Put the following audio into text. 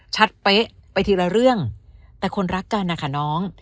เป๊ะไปทีละเรื่องแต่คนรักกันนะคะน้อง